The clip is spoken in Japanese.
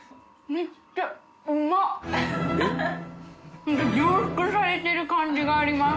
複截腺邸なんか凝縮されてる感じがあります。